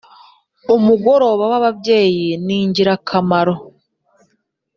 Umugoroba waba byeyi ningirakamaro